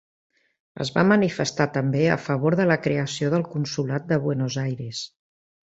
Es va manifestar també a favor de la creació del Consolat de Buenos Aires.